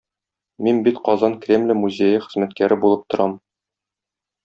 Мин бит Казан Кремле музее хезмәткәре булып торам.